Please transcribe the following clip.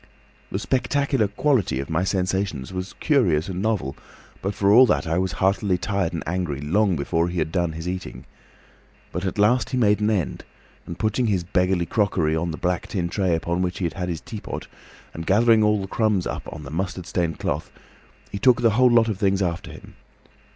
"The spectacular quality of my sensations was curious and novel, but for all that I was heartily tired and angry long before he had done his eating. But at last he made an end and putting his beggarly crockery on the black tin tray upon which he had had his teapot, and gathering all the crumbs up on the mustard stained cloth, he took the whole lot of things after him.